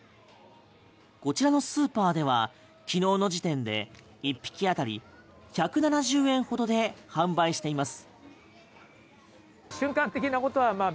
こちらのスーパーでは昨日の時点で１匹当たり１７０円ほどで販売しています。